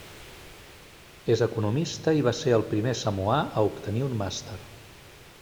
És economista i va ser el primer samoà a obtenir un Màster.